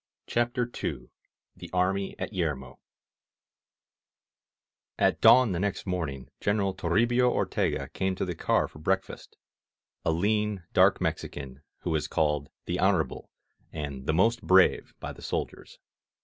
CHAPTER n THE ARMY AT YERMO AT dawn next morning Gkneral Torribio Ortega came to the car for breakfast — a lean, dark Mexican, who is called "The Honorable'* and "The Most Brave'* by the soldiers.